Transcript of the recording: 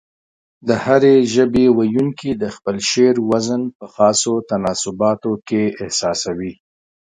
د هرې ژبې ويونکي د خپل شعر وزن په خاصو تناسباتو کې احساسوي.